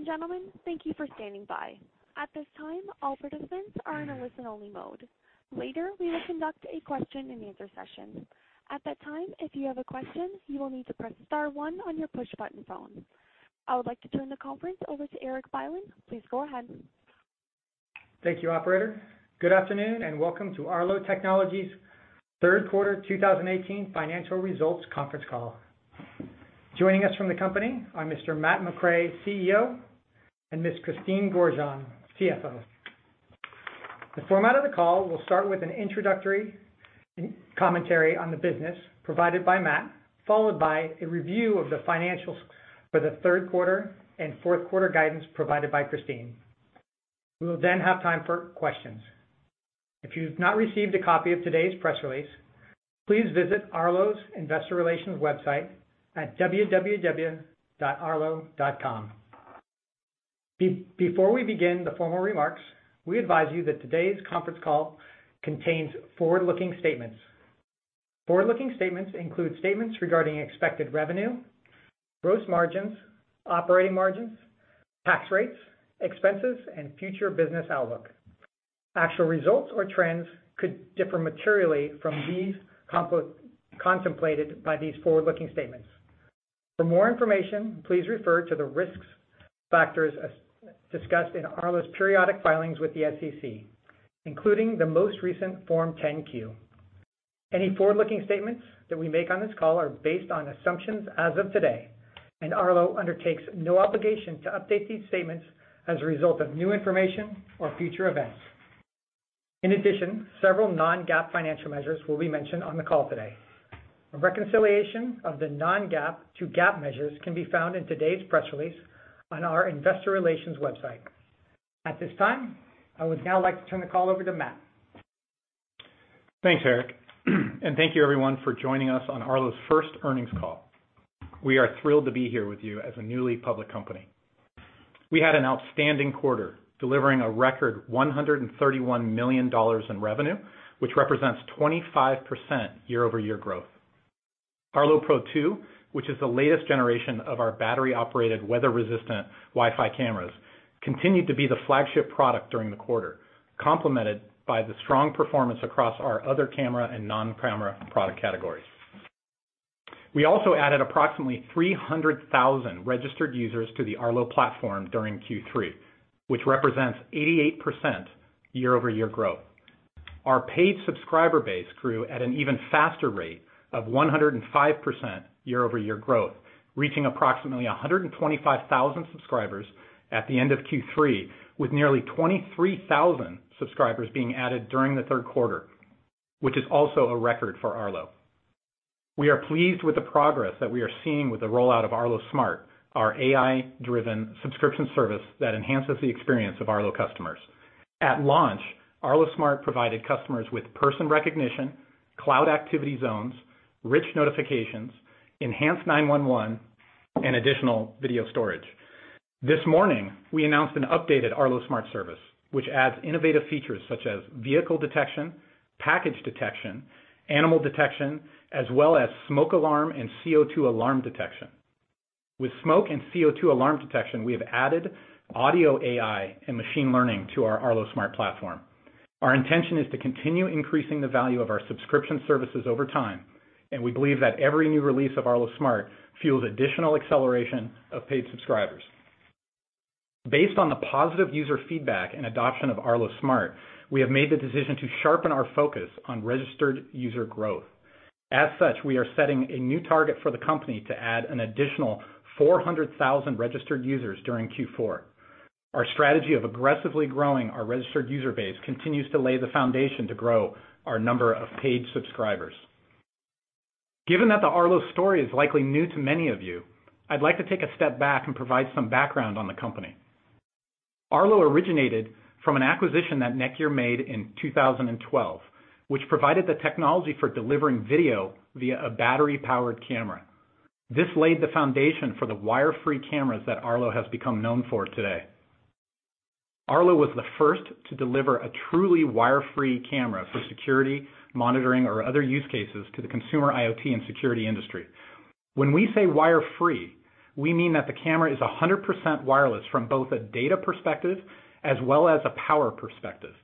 Ladies and gentlemen, thank you for standing by. At this time, all participants are in a listen-only mode. Later, we will conduct a question-and-answer session. At that time, if you have a question, you will need to press star one on your push-button phone. I would like to turn the conference over to Eric Bylin. Please go ahead. Thank you, operator. Good afternoon, and welcome to Arlo Technologies' third quarter 2018 financial results conference call. Joining us from the company are Mr. Matthew McRae, CEO, and Ms. Christine Gorjanc, CFO. The format of the call will start with an introductory commentary on the business provided by Matt, followed by a review of the financials for the third quarter and fourth-quarter guidance provided by Christine. We will then have time for questions. If you've not received a copy of today's press release, please visit Arlo's investor relations website at www.arlo.com. Before we begin the formal remarks, we advise you that today's conference call contains forward-looking statements. Forward-looking statements include statements regarding expected revenue, gross margins, operating margins, tax rates, expenses, and future business outlook. Actual results or trends could differ materially from these contemplated by these forward-looking statements. For more information, please refer to the risks factors discussed in Arlo's periodic filings with the SEC, including the most recent Form 10-Q. Any forward-looking statements that we make on this call are based on assumptions as of today, and Arlo undertakes no obligation to update these statements as a result of new information or future events. Several non-GAAP financial measures will be mentioned on the call today. A reconciliation of the non-GAAP to GAAP measures can be found in today's press release on our investor relations website. At this time, I would now like to turn the call over to Matt. Thanks, Eric, and thank you everyone for joining us on Arlo's first earnings call. We are thrilled to be here with you as a newly public company. We had an outstanding quarter, delivering a record $131 million in revenue, which represents 25% year-over-year growth. Arlo Pro 2, which is the latest generation of our battery-operated, weather-resistant Wi-Fi cameras, continued to be the flagship product during the quarter, complemented by the strong performance across our other camera and non-camera product categories. We also added approximately 300,000 registered users to the Arlo platform during Q3, which represents 88% year-over-year growth. Our paid subscriber base grew at an even faster rate of 105% year-over-year growth, reaching approximately 125,000 subscribers at the end of Q3, with nearly 23,000 subscribers being added during the third quarter, which is also a record for Arlo. We are pleased with the progress that we are seeing with the rollout of Arlo Smart, our AI-driven subscription service that enhances the experience of Arlo customers. At launch, Arlo Smart provided customers with person recognition, cloud activity zones, rich notifications, E911, and additional video storage. This morning, we announced an updated Arlo Smart service, which adds innovative features such as vehicle detection, package detection, animal detection, as well as smoke alarm and CO2 alarm detection. With smoke and CO2 alarm detection, we have added audio AI and machine learning to our Arlo Smart platform. Our intention is to continue increasing the value of our subscription services over time, and we believe that every new release of Arlo Smart fuels additional acceleration of paid subscribers. Based on the positive user feedback and adoption of Arlo Smart, we have made the decision to sharpen our focus on registered user growth. As such, we are setting a new target for the company to add an additional 400,000 registered users during Q4. Our strategy of aggressively growing our registered user base continues to lay the foundation to grow our number of paid subscribers. Given that the Arlo story is likely new to many of you, I'd like to take a step back and provide some background on the company. Arlo originated from an acquisition that NETGEAR made in 2012, which provided the technology for delivering video via a battery-powered camera. This laid the foundation for the wire-free cameras that Arlo has become known for today. Arlo was the first to deliver a truly wire-free camera for security, monitoring, or other use cases to the consumer IoT and security industry. When we say wire-free, we mean that the camera is 100% wireless from both a data perspective as well as a power perspective.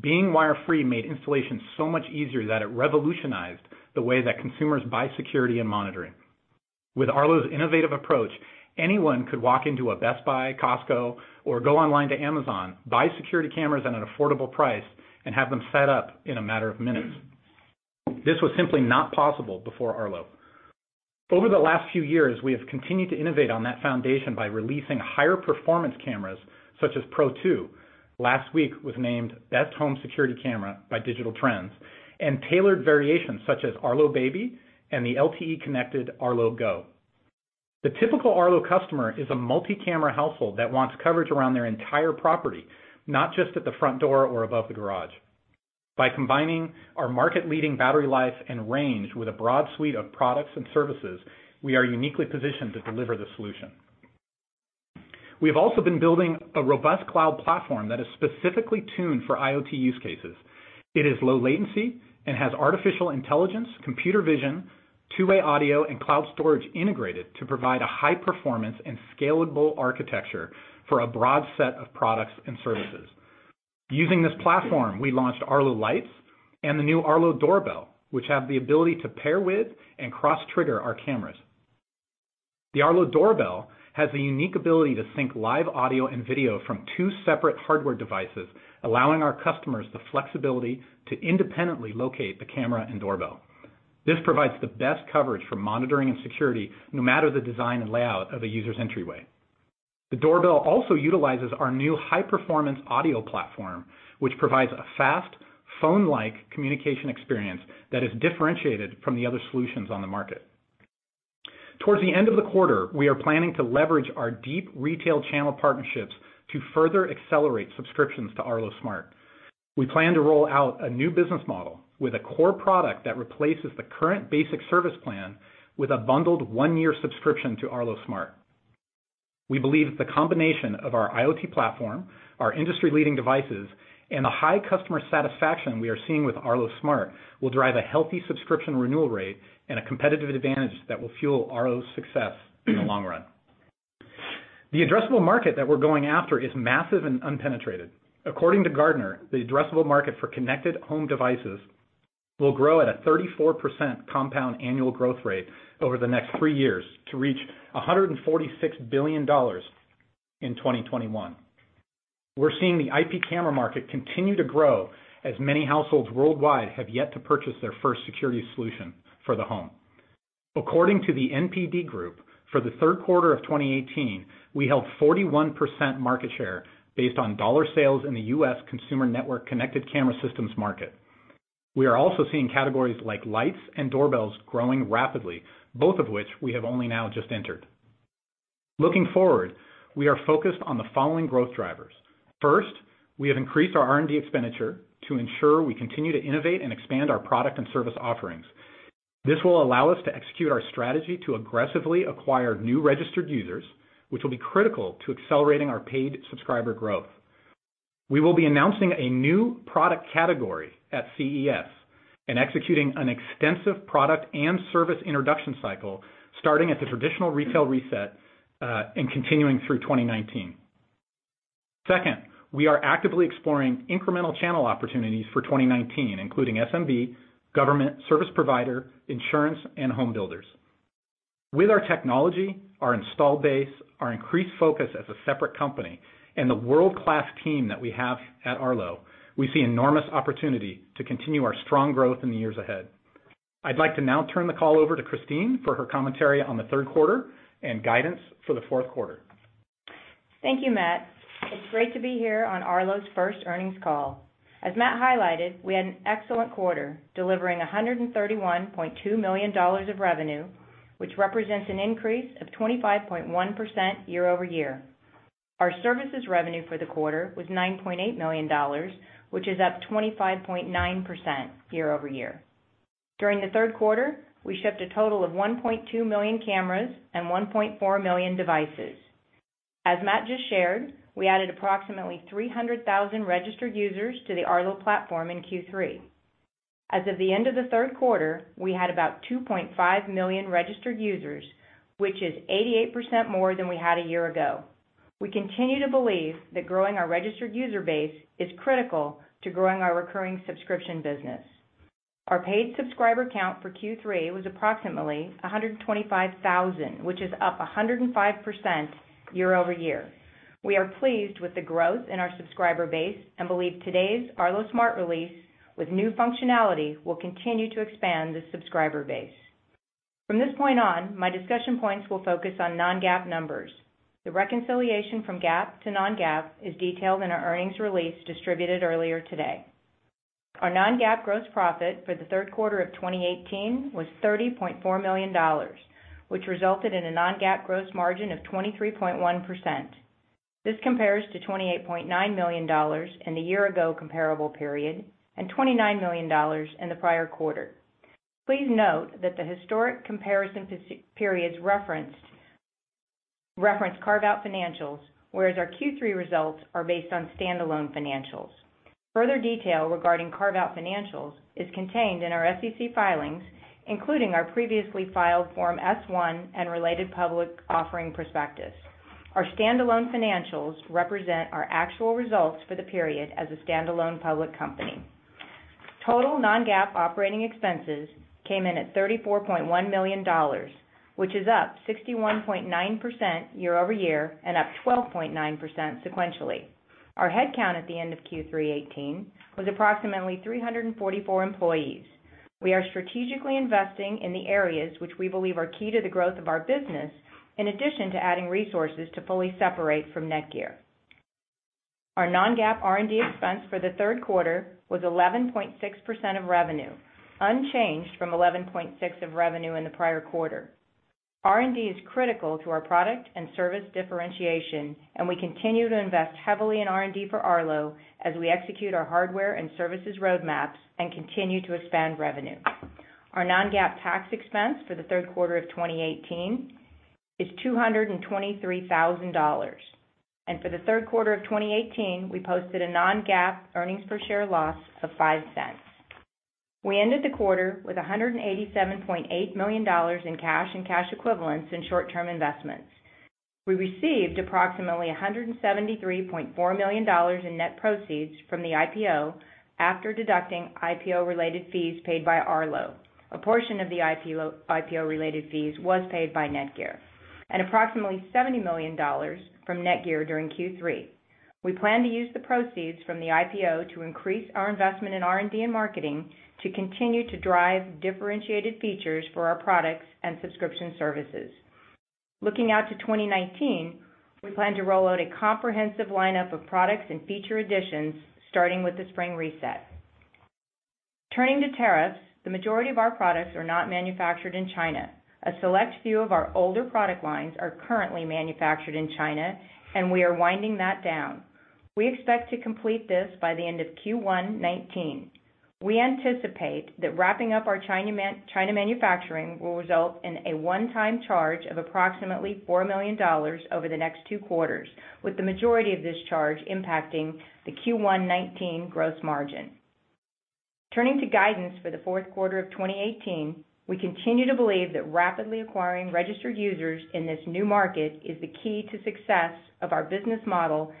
Being wire-free made installation so much easier that it revolutionized the way that consumers buy security and monitoring. With Arlo's innovative approach, anyone could walk into a Best Buy, Costco, or go online to Amazon, buy security cameras at an affordable price, and have them set up in a matter of minutes. This was simply not possible before Arlo. Over the last few years, we have continued to innovate on that foundation by releasing higher-performance cameras, such as Pro 2, last week was named best home security camera by Digital Trends, and tailored variations such as Arlo Baby and the LTE-connected Arlo Go. The typical Arlo customer is a multi-camera household that wants coverage around their entire property, not just at the front door or above the garage. By combining our market-leading battery life and range with a broad suite of products and services, we are uniquely positioned to deliver the solution. We have also been building a robust cloud platform that is specifically tuned for IoT use cases. It is low latency and has artificial intelligence, computer vision, two-way audio and cloud storage integrated to provide a high performance and scalable architecture for a broad set of products and services. Using this platform, we launched Arlo Lights and the new Arlo Doorbell, which have the ability to pair with and cross-trigger our cameras. The Arlo Doorbell has the unique ability to sync live audio and video from two separate hardware devices, allowing our customers the flexibility to independently locate the camera and doorbell. This provides the best coverage for monitoring and security, no matter the design and layout of a user's entryway. The doorbell also utilizes our new high-performance audio platform, which provides a fast, phone-like communication experience that is differentiated from the other solutions on the market. Towards the end of the quarter, we are planning to leverage our deep retail channel partnerships to further accelerate subscriptions to Arlo Smart. We plan to roll out a new business model with a core product that replaces the current basic service plan with a bundled one-year subscription to Arlo Smart. We believe that the combination of our IoT platform, our industry-leading devices, and the high customer satisfaction we are seeing with Arlo Smart will drive a healthy subscription renewal rate and a competitive advantage that will fuel Arlo's success in the long run. The addressable market that we're going after is massive and unpenetrated. According to Gartner, the addressable market for connected home devices will grow at a 34% compound annual growth rate over the next three years to reach $146 billion in 2021. We're seeing the IP camera market continue to grow as many households worldwide have yet to purchase their first security solution for the home. According to the NPD Group, for the third quarter of 2018, we held 41% market share based on dollar sales in the U.S. consumer network connected camera systems market. We are also seeing categories like lights and doorbells growing rapidly, both of which we have only now just entered. Looking forward, we are focused on the following growth drivers. First, we have increased our R&D expenditure to ensure we continue to innovate and expand our product and service offerings. This will allow us to execute our strategy to aggressively acquire new registered users, which will be critical to accelerating our paid subscriber growth. We will be announcing a new product category at CES and executing an extensive product and service introduction cycle, starting at the traditional retail reset, and continuing through 2019. Second, we are actively exploring incremental channel opportunities for 2019, including SMB, government, service provider, insurance, and home builders. With our technology, our install base, our increased focus as a separate company, and the world-class team that we have at Arlo, we see enormous opportunity to continue our strong growth in the years ahead. I'd like to now turn the call over to Christine for her commentary on the third quarter and guidance for the fourth quarter. Thank you, Matt. It's great to be here on Arlo's first earnings call. As Matt highlighted, we had an excellent quarter, delivering $131.2 million of revenue, which represents an increase of 25.1% year over year. Our services revenue for the quarter was $9.8 million, which is up 25.9% year over year. During the third quarter, we shipped a total of 1.2 million cameras and 1.4 million devices. As Matt just shared, we added approximately 300,000 registered users to the Arlo platform in Q3. As of the end of the third quarter, we had about 2.5 million registered users, which is 88% more than we had a year ago. We continue to believe that growing our registered user base is critical to growing our recurring subscription business. Our paid subscriber count for Q3 was approximately 125,000, which is up 105% year over year. We are pleased with the growth in our subscriber base and believe today's Arlo Smart release, with new functionality, will continue to expand the subscriber base. From this point on, my discussion points will focus on non-GAAP numbers. The reconciliation from GAAP to non-GAAP is detailed in our earnings release distributed earlier today. Our non-GAAP gross profit for the third quarter of 2018 was $30.4 million, which resulted in a non-GAAP gross margin of 23.1%. This compares to $28.9 million in the year-ago comparable period and $29 million in the prior quarter. Please note that the historic comparison periods reference carve-out financials, whereas our Q3 results are based on standalone financials. Further detail regarding carve-out financials is contained in our SEC filings, including our previously filed Form S-1 and related public offering prospectus. Our standalone financials represent our actual results for the period as a standalone public company. Total non-GAAP operating expenses came in at $34.1 million, which is up 61.9% year-over-year and up 12.9% sequentially. Our headcount at the end of Q3 2018 was approximately 344 employees. We are strategically investing in the areas which we believe are key to the growth of our business, in addition to adding resources to fully separate from NETGEAR. Our non-GAAP R&D expense for the third quarter was 11.6% of revenue, unchanged from 11.6% of revenue in the prior quarter. R&D is critical to our product and service differentiation, we continue to invest heavily in R&D for Arlo as we execute our hardware and services roadmaps and continue to expand revenue. Our non-GAAP tax expense for the third quarter of 2018 is $223,000. For the third quarter of 2018, we posted a non-GAAP earnings per share loss of $0.05. We ended the quarter with $187.8 million in cash and cash equivalents in short-term investments. We received approximately $173.4 million in net proceeds from the IPO after deducting IPO-related fees paid by Arlo. Approximately $70 million from NETGEAR during Q3. We plan to use the proceeds from the IPO to increase our investment in R&D and marketing to continue to drive differentiated features for our products and subscription services. Looking out to 2019, we plan to roll out a comprehensive lineup of products and feature additions, starting with the spring reset. Turning to tariffs, the majority of our products are not manufactured in China. A select few of our older product lines are currently manufactured in China, we are winding that down. We expect to complete this by the end of Q1 2019. We anticipate that wrapping up our China manufacturing will result in a one-time charge of approximately $4 million over the next two quarters, with the majority of this charge impacting the Q1 2019 gross margin. Turning to guidance for the fourth quarter of 2018, we continue to believe that rapidly acquiring registered users in this new market is the key to success of our business model,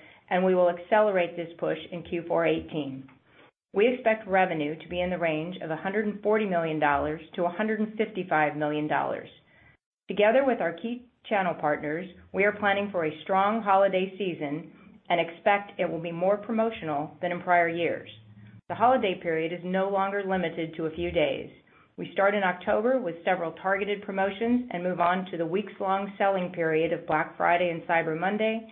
we will accelerate this push in Q4 2018. We expect revenue to be in the range of $140 million-$155 million. Together with our key channel partners, we are planning for a strong holiday season expect it will be more promotional than in prior years. The holiday period is no longer limited to a few days. We start in October with several targeted promotions and move on to the weeks-long selling period of Black Friday and Cyber Monday.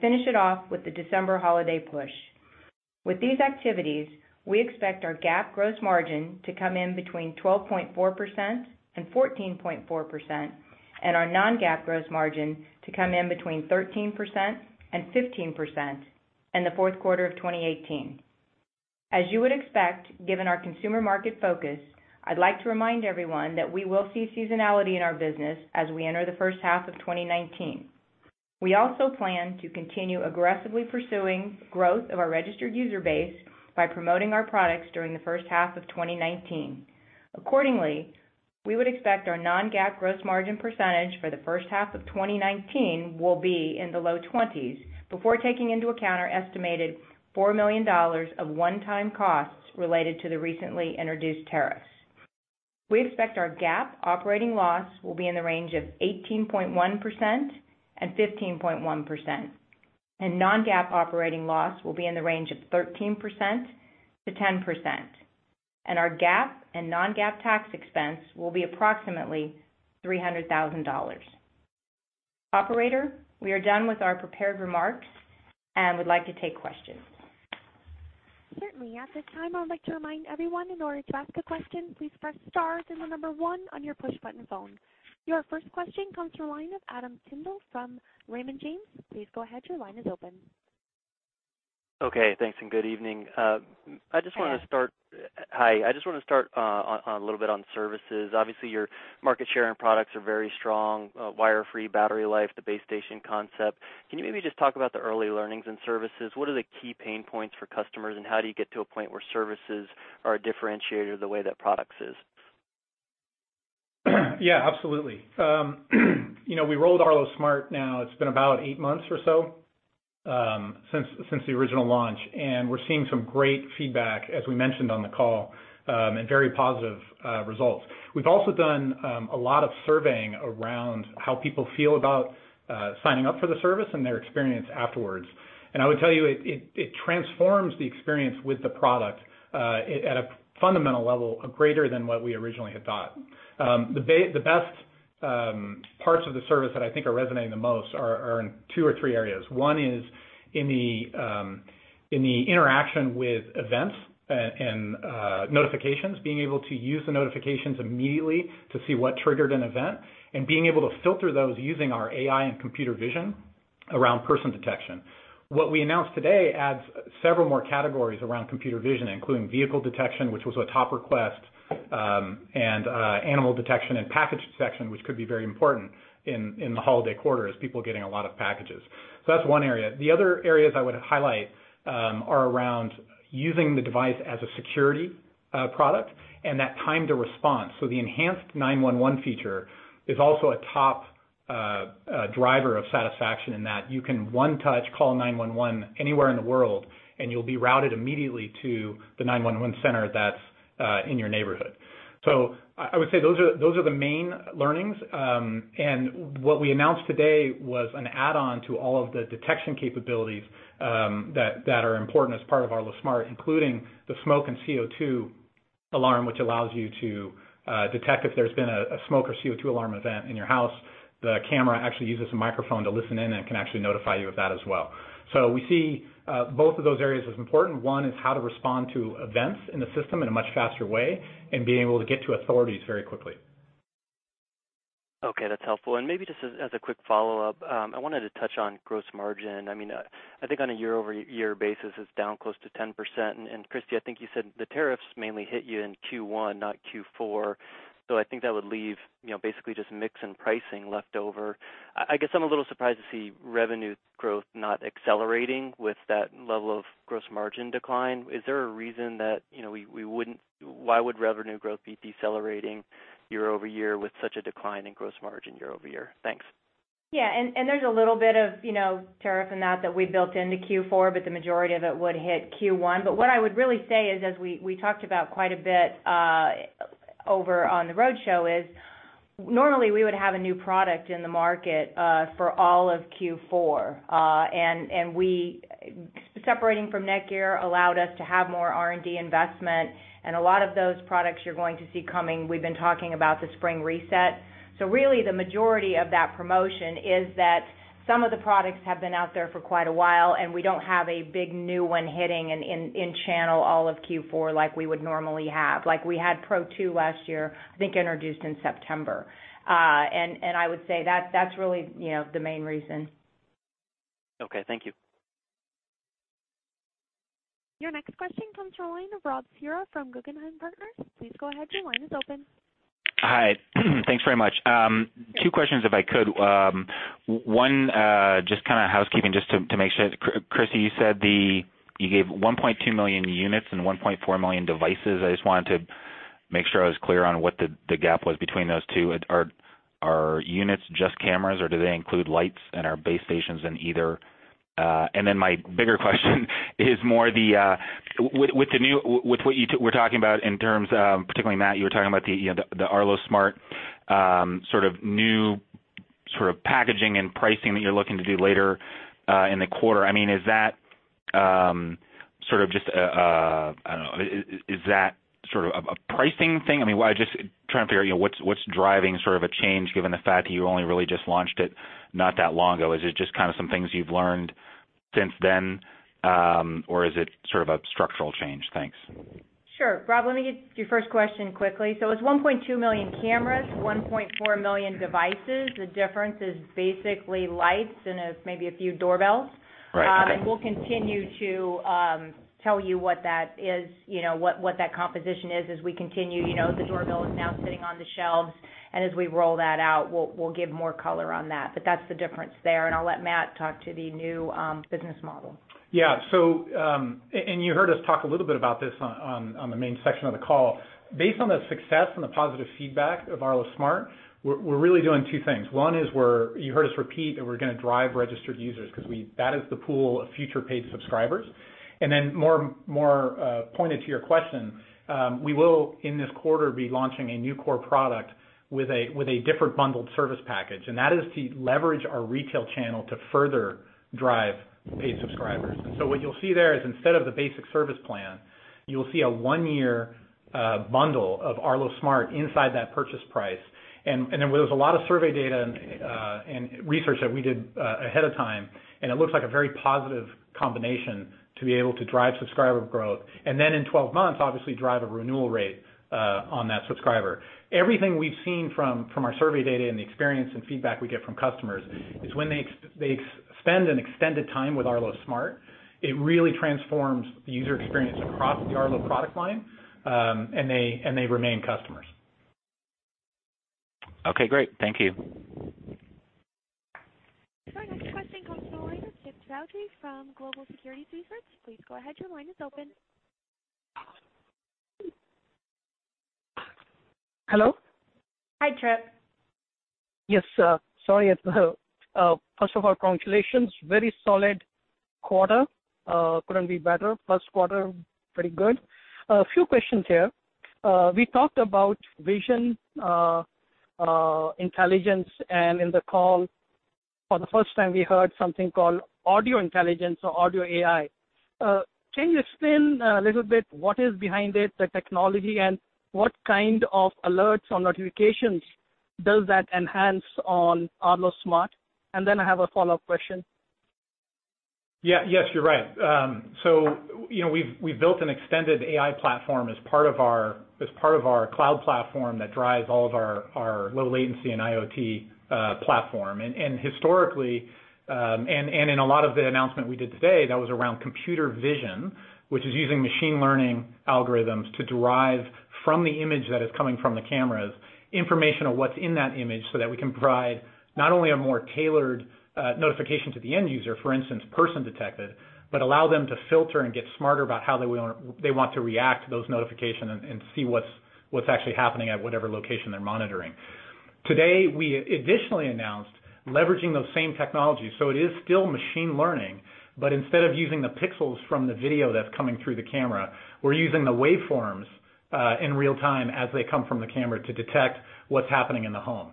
Finish it off with the December holiday push. With these activities, we expect our GAAP gross margin to come in between 12.4% and 14.4%, and our non-GAAP gross margin to come in between 13% and 15% in the fourth quarter of 2018. As you would expect, given our consumer market focus, I'd like to remind everyone that we will see seasonality in our business as we enter the first half of 2019. We also plan to continue aggressively pursuing growth of our registered user base by promoting our products during the first half of 2019. Accordingly, we would expect our non-GAAP gross margin percentage for the first half of 2019 will be in the low 20s before taking into account our estimated $4 million of one-time costs related to the recently introduced tariffs. We expect our GAAP operating loss will be in the range of 18.1%-15.1%, and non-GAAP operating loss will be in the range of 13%-10%, and our GAAP and non-GAAP tax expense will be approximately $300,000. Operator, we are done with our prepared remarks and would like to take questions. Certainly. At this time, I would like to remind everyone, in order to ask a question, please press star and the number one on your push button phone. Your first question comes from the line of Adam Tindle from Raymond James. Please go ahead, your line is open. Okay, thanks. Good evening. Hi. Hi. I just want to start a little bit on services. Obviously, your market share and products are very strong, wire-free battery life, the base station concept. Can you maybe just talk about the early learnings and services? What are the key pain points for customers, and how do you get to a point where services are a differentiator the way that products is? Yeah, absolutely. We rolled Arlo Smart now it's been about eight months or so since the original launch, and we're seeing some great feedback, as we mentioned on the call, and very positive results. We've also done a lot of surveying around how people feel about signing up for the service and their experience afterwards. I would tell you, it transforms the experience with the product, at a fundamental level, greater than what we originally had thought. The best parts of the service that I think are resonating the most are in two or three areas. One is in the interaction with events and notifications, being able to use the notifications immediately to see what triggered an event, and being able to filter those using our AI and computer vision around person detection. What we announced today adds several more categories around computer vision, including vehicle detection, which was a top request, and animal detection and package detection, which could be very important in the holiday quarter as people are getting a lot of packages. That's one area. The other areas I would highlight are around using the device as a security product and that time to respond. The enhanced 911 feature is also a top driver of satisfaction in that you can one touch call 911 anywhere in the world, and you'll be routed immediately to the 911 center that's in your neighborhood. I would say those are the main learnings. What we announced today was an add-on to all of the detection capabilities that are important as part of Arlo Smart, including the smoke and CO2 alarm, which allows you to detect if there's been a smoke or CO2 alarm event in your house. The camera actually uses a microphone to listen in and can actually notify you of that as well. We see both of those areas as important. One is how to respond to events in the system in a much faster way and being able to get to authorities very quickly. Okay, that's helpful. Maybe just as a quick follow-up, I wanted to touch on gross margin. I think on a year-over-year basis, it's down close to 10%. Christy, I think you said the tariffs mainly hit you in Q1, not Q4. I think that would leave basically just mix and pricing left over. I guess I'm a little surprised to see revenue growth not accelerating with that level of gross margin decline. Is there a reason why would revenue growth be decelerating year-over-year with such a decline in gross margin year-over-year? Thanks. Yeah. There's a little bit of tariff in that that we built into Q4, the majority of it would hit Q1. What I would really say is, as we talked about quite a bit over on the roadshow, is normally we would have a new product in the market for all of Q4. Separating from NETGEAR allowed us to have more R&D investment, and a lot of those products you're going to see coming, we've been talking about the spring reset. Really the majority of that promotion is that some of the products have been out there for quite a while, and we don't have a big new one hitting in channel all of Q4 like we would normally have. Like we had Pro 2 last year, I think introduced in September. I would say that's really the main reason. Okay, thank you. Your next question comes from the line of Robert Cihra from Guggenheim Partners. Please go ahead, your line is open. Hi. Thanks very much. Two questions if I could. One, just kind of housekeeping just to make sure. Christy, you gave 1.2 million units and 1.4 million devices. I just wanted to make sure I was clear on what the gap was between those two. Are units just cameras, or do they include lights and our base stations in either? My bigger question is more the, with what you were talking about in terms of, particularly Matt, you were talking about the Arlo Smart sort of new sort of packaging and pricing that you're looking to do later in the quarter. I mean, is that sort of a pricing thing? I just trying to figure what's driving sort of a change given the fact that you only really just launched it not that long ago. Is it just kind of some things you've learned since then? Is it sort of a structural change? Thanks. Sure. Rob, let me hit your first question quickly. It's 1.2 million cameras, 1.4 million devices. The difference is basically lights and maybe a few doorbells. Right. Okay. We'll continue to tell you what that composition is as we continue. The doorbell is now sitting on the shelves. As we roll that out, we'll give more color on that. That's the difference there, and I'll let Matt talk to the new business model. Yeah. You heard us talk a little bit about this on the main section of the call. Based on the success and the positive feedback of Arlo Smart, we're really doing two things. One is you heard us repeat that we're going to drive registered users because that is the pool of future paid subscribers. More pointed to your question, we will, in this quarter, be launching a new core product with a different bundled service package. That is to leverage our retail channel to further drive paid subscribers. What you'll see there is instead of the basic service plan, you'll see a one-year bundle of Arlo Smart inside that purchase price. There was a lot of survey data and research that we did ahead of time, and it looks like a very positive combination to be able to drive subscriber growth. In 12 months, obviously drive a renewal rate on that subscriber. Everything we've seen from our survey data and the experience and feedback we get from customers is when they spend an extended time with Arlo Smart, it really transforms the user experience across the Arlo product line, and they remain customers. Okay, great. Thank you. Our next question comes from the line of Trip Chowdhry from Global Equities Research. Please go ahead, your line is open. Hello? Hi, Trip. Yes, sorry. First of all, congratulations. Very solid quarter. Couldn't be better. First quarter, pretty good. A few questions here. We talked about vision intelligence and in the call for the first time, we heard something called audio intelligence or audio AI. Can you explain a little bit what is behind it, the technology, and what kind of alerts or notifications does that enhance on Arlo Smart? Then I have a follow-up question. Yes, you're right. We've built an extended AI platform as part of our cloud platform that drives all of our low latency and IoT platform. Historically, and in a lot of the announcement we did today, that was around computer vision, which is using machine learning algorithms to derive from the image that is coming from the cameras, information of what's in that image, so that we can provide not only a more tailored notification to the end user, for instance, person detected, but allow them to filter and get smarter about how they want to react to those notifications and see what's actually happening at whatever location they're monitoring. Today, we additionally announced leveraging those same technologies, so it is still machine learning, but instead of using the pixels from the video that's coming through the camera, we're using the waveforms in real-time as they come from the camera to detect what's happening in the home.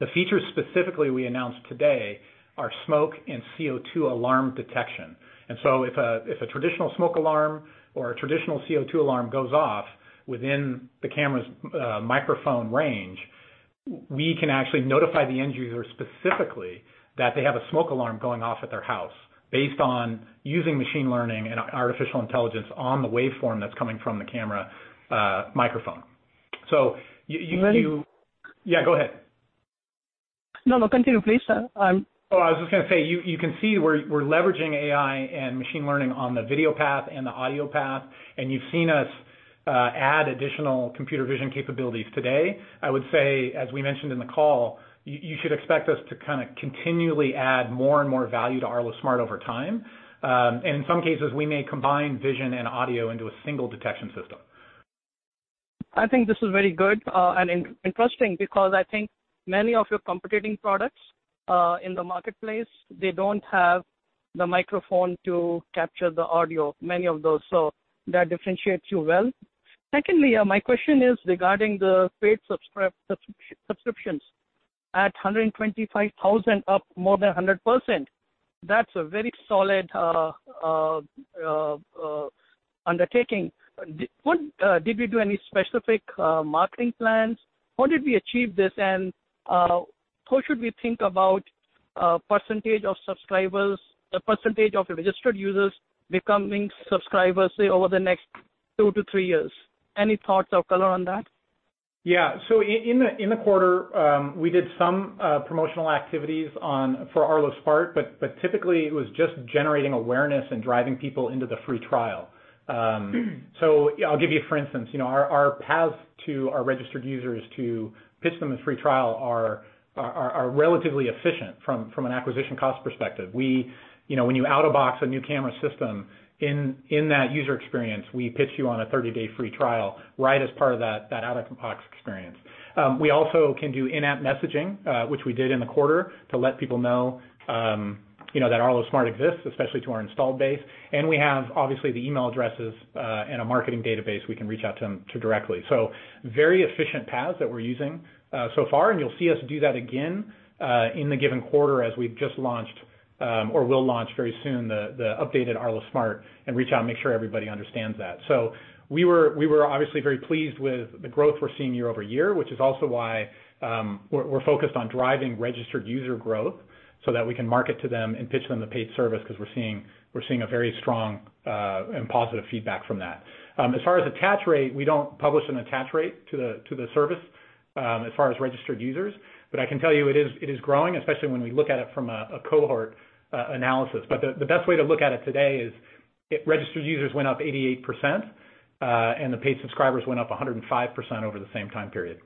The features specifically we announced today are smoke and CO2 alarm detection. If a traditional smoke alarm or a traditional CO2 alarm goes off within the camera's microphone range, we can actually notify the end user specifically that they have a smoke alarm going off at their house based on using machine learning and artificial intelligence on the waveform that's coming from the camera microphone. And then- Yeah, go ahead. No, continue, please. I was just going to say, you can see we're leveraging AI and machine learning on the video path and the audio path, and you've seen us add additional computer vision capabilities today. I would say, as we mentioned in the call, you should expect us to continually add more and more value to Arlo Smart over time. In some cases, we may combine vision and audio into a single detection system. I think this is very good and interesting because I think many of your competing products in the marketplace don't have the microphone to capture the audio, many of those. That differentiates you well. Secondly, my question is regarding the paid subscriptions. At 125,000, up more than 100%, that's a very solid undertaking. Did you do any specific marketing plans? How did we achieve this, and how should we think about percentage of registered users becoming subscribers, say, over the next two to three years? Any thoughts or color on that? In the quarter, we did some promotional activities for Arlo Smart, but typically it was just generating awareness and driving people into the free trial. I'll give you a for instance. Our paths to our registered users to pitch them a free trial are relatively efficient from an acquisition cost perspective. When you out-of-box a new camera system, in that user experience, we pitch you on a 30-day free trial right as part of that out-of-box experience. We also can do in-app messaging, which we did in the quarter, to let people know that Arlo Smart exists, especially to our installed base. We have, obviously, the email addresses and a marketing database we can reach out to them directly. Very efficient paths that we're using so far, and you'll see us do that again in the given quarter as we've just launched or will launch very soon the updated Arlo Smart and reach out and make sure everybody understands that. We were obviously very pleased with the growth we're seeing year-over-year, which is also why we're focused on driving registered user growth so that we can market to them and pitch them the paid service because we're seeing a very strong and positive feedback from that. As far as attach rate, we don't publish an attach rate to the service as far as registered users, but I can tell you it is growing, especially when we look at it from a cohort analysis. The best way to look at it today is registered users went up 88%, and the paid subscribers went up 105% over the same time period.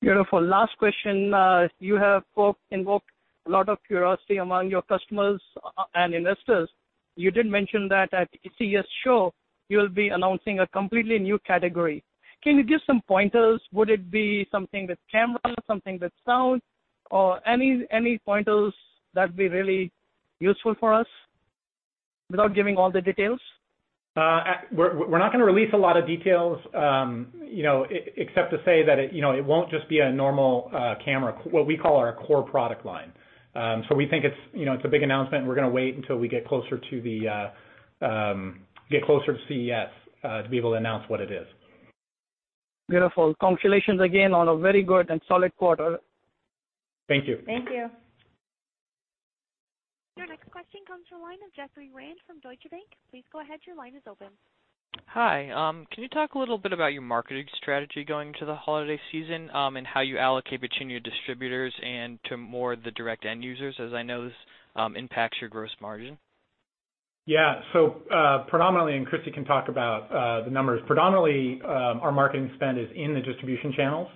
Beautiful. Last question. You have invoked a lot of curiosity among your customers and investors. You did mention that at CES Show, you'll be announcing a completely new category. Can you give some pointers? Would it be something with camera, something with sound, or any pointers that would be really useful for us without giving all the details? We're not going to release a lot of details except to say that it won't just be a normal camera, what we call our core product line. We think it's a big announcement, and we're going to wait until we get closer to CES to be able to announce what it is. Beautiful. Congratulations again on a very good and solid quarter. Thank you. Thank you. Your next question comes from the line of Jeffrey Rand from Deutsche Bank. Please go ahead, your line is open. Hi. Can you talk a little bit about your marketing strategy going into the holiday season and how you allocate between your distributors and to more the direct end users, as I know this impacts your gross margin? Yeah. Predominantly, and Christi can talk about the numbers. Predominantly, our marketing spend is in the distribution channels.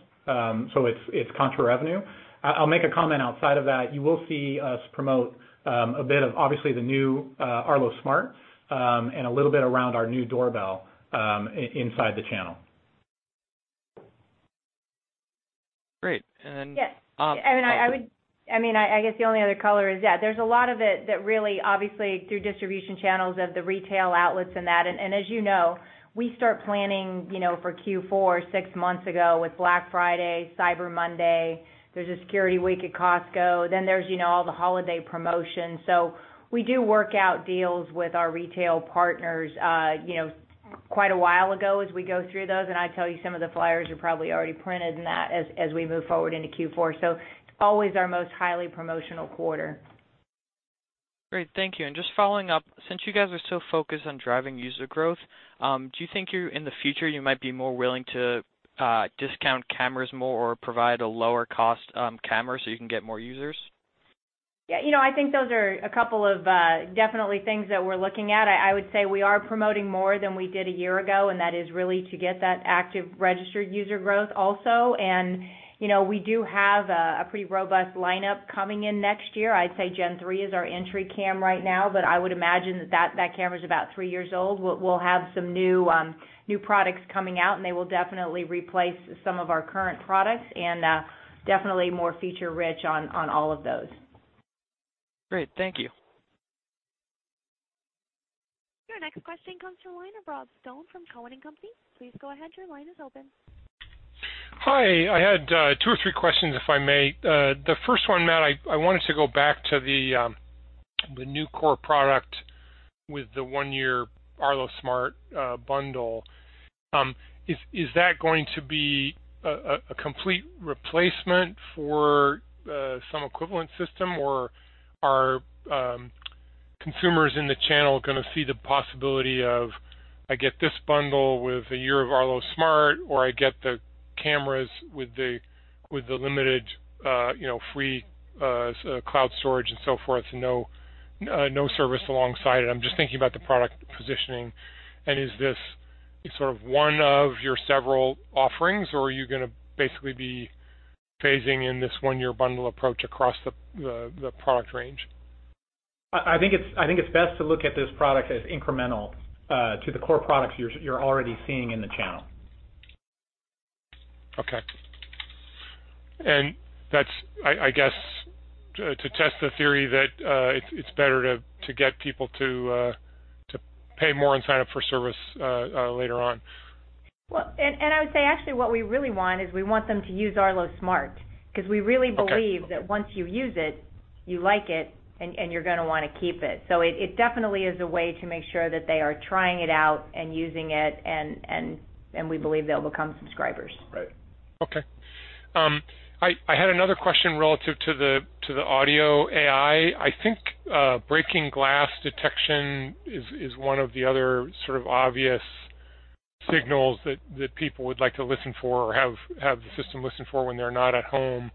It's contra revenue. I'll make a comment outside of that. You will see us promote a bit of, obviously, the new Arlo Smart, and a little bit around our new doorbell inside the channel. Great. Yes. I guess the only other color is, yeah, there's a lot of it that really, obviously, through distribution channels of the retail outlets and that. As you know, we start planning for Q4 6 months ago with Black Friday, Cyber Monday. There's a security week at Costco. There's all the holiday promotions. We do work out deals with our retail partners quite a while ago as we go through those, and I tell you, some of the flyers are probably already printed and that as we move forward into Q4. It's always our most highly promotional quarter. Great. Thank you. Just following up, since you guys are so focused on driving user growth, do you think in the future you might be more willing to discount cameras more or provide a lower-cost camera so you can get more users? Yeah. I think those are a couple of definitely things that we're looking at. I would say we are promoting more than we did a year ago, and that is really to get that active registered user growth also. We do have a pretty robust lineup coming in next year. I'd say Gen 3 is our entry cam right now, but I would imagine that camera's about three years old. We'll have some new products coming out, and they will definitely replace some of our current products and definitely more feature-rich on all of those. Great. Thank you. Your next question comes from the line of Robert Stone from Cowen and Company. Please go ahead, your line is open. Hi. I had two or three questions, if I may. The first one, Matt, I wanted to go back to the new core product with the one-year Arlo Smart bundle. Is that going to be a complete replacement for some equivalent system, or are consumers in the channel going to see the possibility of, I get this bundle with a year of Arlo Smart, or I get the cameras with the limited free cloud storage and so forth and no service alongside it? I'm just thinking about the product positioning, is this one of your several offerings, or are you going to basically be phasing in this one-year bundle approach across the product range? I think it's best to look at this product as incremental to the core products you're already seeing in the channel. Okay. That's, I guess, to test the theory that it's better to get people to pay more and sign up for service later on. Well, I would say, actually, what we really want is we want them to use Arlo Smart. Okay believe that once you use it, you like it, and you're going to want to keep it. It definitely is a way to make sure that they are trying it out and using it, and we believe they'll become subscribers. Right. Okay. I had another question relative to the audio AI. I think breaking glass detection is one of the other sort of obvious signals that people would like to listen for or have the system listen for when they're not at home.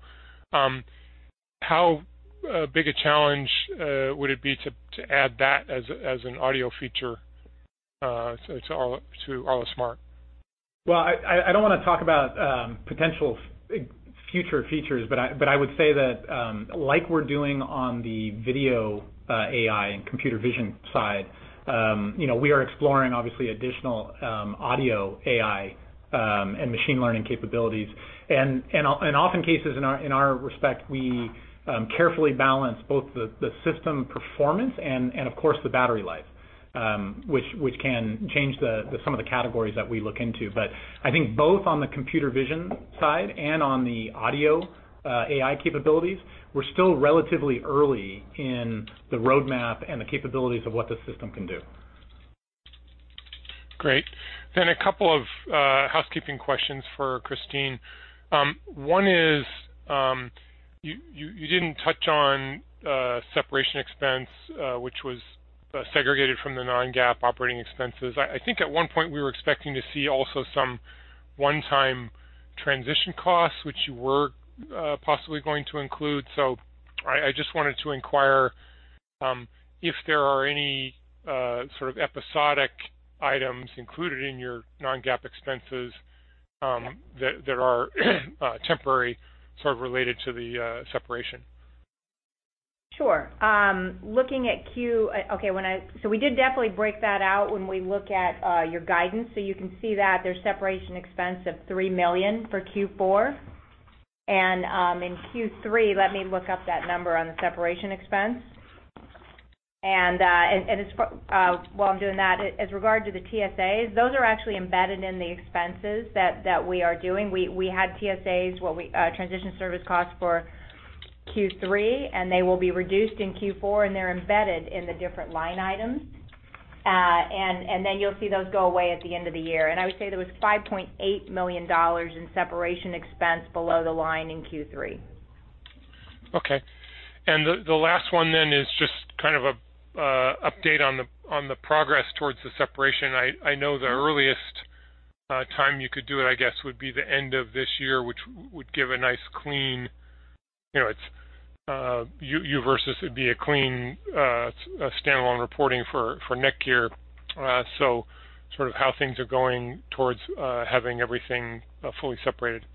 How big a challenge would it be to add that as an audio feature to Arlo Smart? Well, I don't want to talk about potential future features, but I would say that, like we're doing on the video AI and computer vision side, we are exploring obviously additional audio AI and machine learning capabilities. Often cases in our respect, we carefully balance both the system performance and, of course, the battery life, which can change some of the categories that we look into. I think both on the computer vision side and on the audio AI capabilities, we're still relatively early in the roadmap and the capabilities of what the system can do. Great. A couple of housekeeping questions for Christine. One is, you didn't touch on separation expense, which was segregated from the non-GAAP operating expenses. I think at one point we were expecting to see also some one-time transition costs, which you were possibly going to include. I just wanted to inquire if there are any sort of episodic items included in your non-GAAP expenses. Yeah that are temporary, sort of related to the separation. Sure. We did definitely break that out when we look at your guidance. You can see that there's separation expense of $3 million for Q4. In Q3, let me look up that number on the separation expense. While I'm doing that, as regard to the TSAs, those are actually embedded in the expenses that we are doing. We had TSAs, transition service costs, for Q3, and they will be reduced in Q4, and they're embedded in the different line items. You'll see those go away at the end of the year. I would say there was $5.8 million in separation expense below the line in Q3. Okay. The last one is just kind of an update on the progress towards the separation. I know the earliest time you could do it, I guess, would be the end of this year, which would give a nice clean, you versus, it'd be a clean standalone reporting for NETGEAR. Sort of how things are going towards having everything fully separated.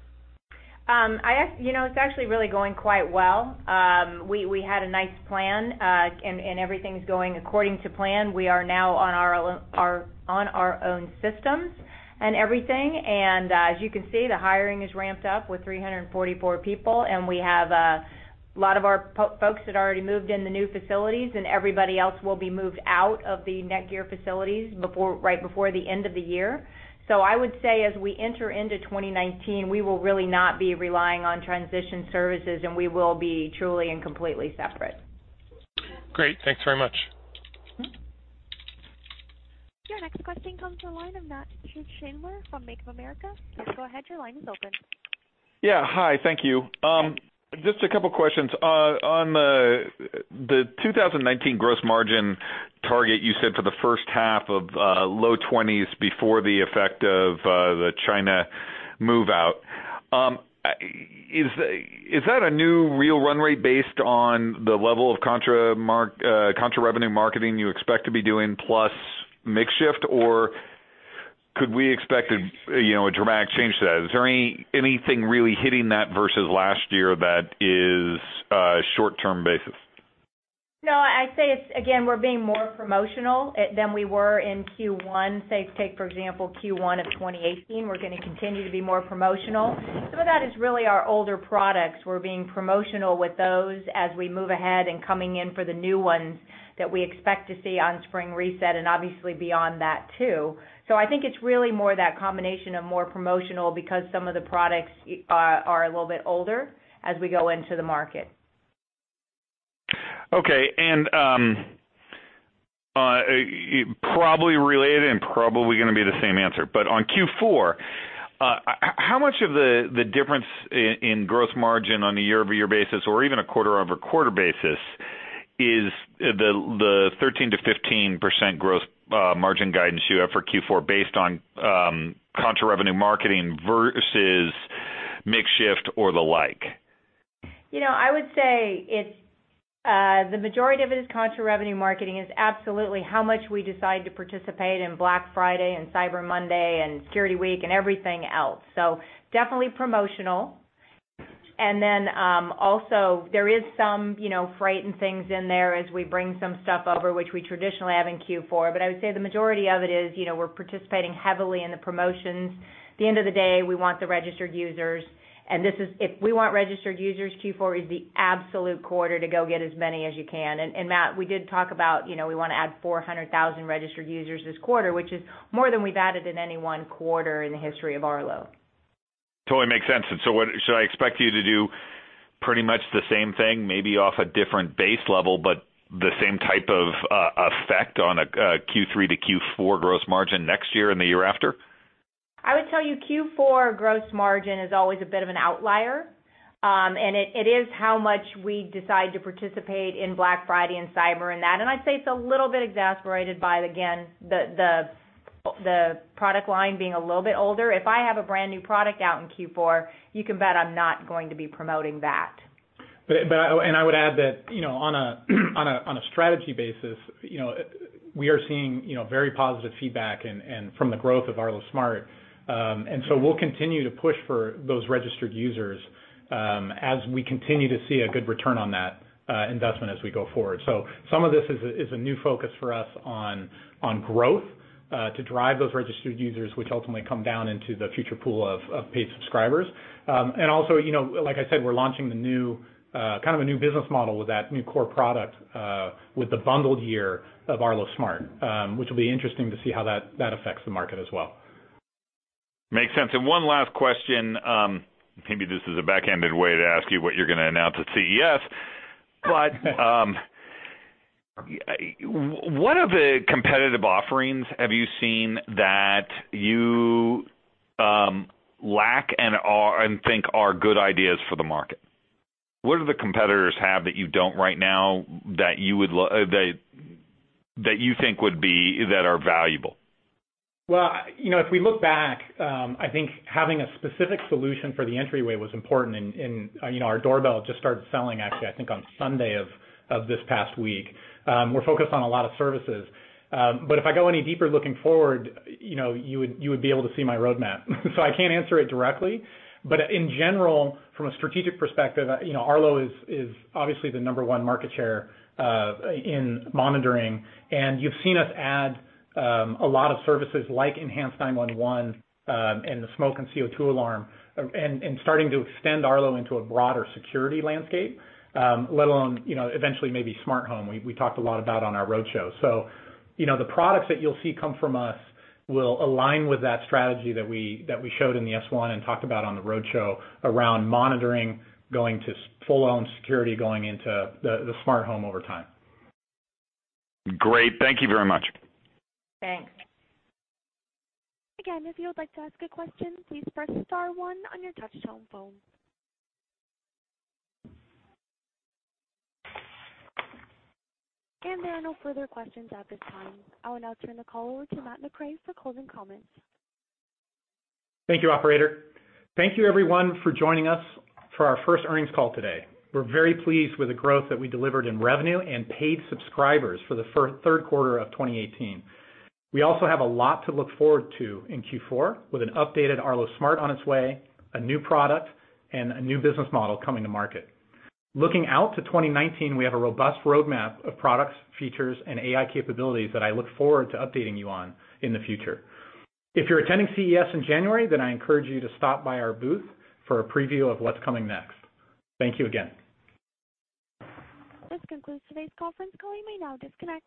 It's actually really going quite well. We had a nice plan, everything's going according to plan. We are now on our own systems and everything. As you can see, the hiring has ramped up with 344 people, we have a lot of our folks that already moved in the new facilities, everybody else will be moved out of the NETGEAR facilities right before the end of the year. I would say as we enter into 2019, we will really not be relying on transition services, we will be truly and completely separate. Great. Thanks very much. Your next question comes from the line of Nat Schindler from Bank of America. Please go ahead, your line is open. Yeah. Hi, thank you. Just a couple questions. On the 2019 gross margin target, you said for the first half of low twenties before the effect of the China move-out. Is that a new real run rate based on the level of contra-revenue marketing you expect to be doing, plus mix shift, or could we expect a dramatic change to that? Is there anything really hitting that versus last year that is short-term basis? No, I'd say it's, again, we're being more promotional than we were in Q1. Say, take for example, Q1 of 2018. We're going to continue to be more promotional. Some of that is really our older products. We're being promotional with those as we move ahead and coming in for the new ones that we expect to see on spring reset and obviously beyond that, too. I think it's really more that combination of more promotional because some of the products are a little bit older as we go into the market. Probably related and probably going to be the same answer. On Q4, how much of the difference in gross margin on a year-over-year basis or even a quarter-over-quarter basis is the 13%-15% gross margin guidance you have for Q4 based on contra-revenue marketing versus mix shift or the like? I would say the majority of it is contra-revenue marketing is absolutely how much we decide to participate in Black Friday and Cyber Monday and Security Week and everything else. Definitely promotional. Then also there is some freight and things in there as we bring some stuff over, which we traditionally have in Q4. I would say the majority of it is we're participating heavily in the promotions. At the end of the day, we want the registered users. If we want registered users, Q4 is the absolute quarter to go get as many as you can. Matt, we did talk about we want to add 400,000 registered users this quarter, which is more than we've added in any one quarter in the history of Arlo. Totally makes sense. Should I expect you to do pretty much the same thing, maybe off a different base level, but the same type of effect on a Q3 to Q4 gross margin next year and the year after? I would tell you Q4 gross margin is always a bit of an outlier, and it is how much we decide to participate in Black Friday and Cyber and that, and I'd say it's a little bit exacerbated by, again, the product line being a little bit older. If I have a brand-new product out in Q4, you can bet I'm not going to be promoting that. I would add that on a strategy basis, we are seeing very positive feedback from the growth of Arlo Smart. We'll continue to push for those registered users as we continue to see a good return on that investment as we go forward. Some of this is a new focus for us on growth to drive those registered users, which ultimately come down into the future pool of paid subscribers. Like I said, we're launching kind of a new business model with that new core product with the bundled year of Arlo Smart, which will be interesting to see how that affects the market as well. Makes sense. One last question. Maybe this is a backhanded way to ask you what you're going to announce at CES, but what other competitive offerings have you seen that you lack and think are good ideas for the market? What do the competitors have that you don't right now that you think that are valuable? Well, if we look back, I think having a specific solution for the entryway was important and our doorbell just started selling, actually, I think on Sunday of this past week. We're focused on a lot of services. If I go any deeper looking forward, you would be able to see my roadmap. I can't answer it directly, but in general, from a strategic perspective, Arlo is obviously the number one market share in monitoring, and you've seen us add a lot of services like enhanced 911, and the smoke and CO2 alarm and starting to extend Arlo into a broader security landscape, let alone eventually maybe smart home, we talked a lot about on our roadshow. The products that you'll see come from us will align with that strategy that we showed in the S1 and talked about on the roadshow around monitoring, going to full-on security, going into the smart home over time. Great. Thank you very much. Thanks. If you would like to ask a question, please press star one on your touchtone phone. There are no further questions at this time. I will now turn the call over to Matt McRae for closing comments. Thank you, operator. Thank you everyone for joining us for our first earnings call today. We are very pleased with the growth that we delivered in revenue and paid subscribers for the third quarter of 2018. We also have a lot to look forward to in Q4 with an updated Arlo Smart on its way, a new product, and a new business model coming to market. Looking out to 2019, we have a robust roadmap of products, features, and AI capabilities that I look forward to updating you on in the future. If you are attending CES in January, then I encourage you to stop by our booth for a preview of what is coming next. Thank you again. This concludes today's conference call. You may now disconnect.